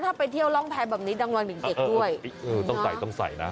ถ้าไปเที่ยวร่องแพ้แบบนี้ต้องระวังเด็กด้วยเออต้องใส่ต้องใส่นะ